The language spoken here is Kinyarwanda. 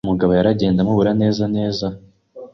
umugabo yaragiye ndamubura neza neza